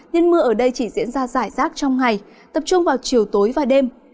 nên mưa ở đây chỉ diễn ra giải rác trong ngày tập trung vào chiều tối và đêm